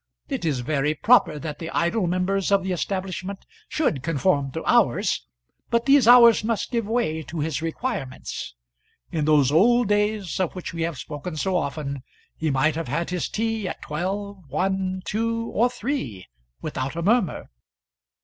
It is very proper that the idle members of the establishment should conform to hours, but these hours must give way to his requirements. In those old days of which we have spoken so often he might have had his tea at twelve, one, two, or three without a murmur.